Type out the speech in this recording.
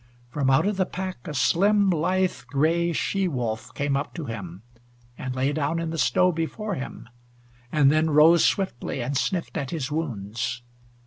From out of the pack a slim, lithe, gray she wolf came up to him, and lay down in the snow before him, and then rose swiftly and sniffed at his wounds.